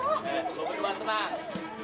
eh lo berdua tenang